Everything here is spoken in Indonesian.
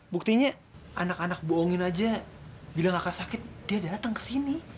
buktinya anak anak bohongin aja bilang kakak sakit dia dateng kesini